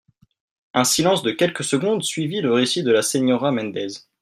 Un silence de quelques secondes suivit le récit de la señora Mendez.